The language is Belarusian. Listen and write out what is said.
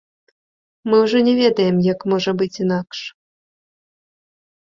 Мы ўжо не ведаем, як можа быць інакш.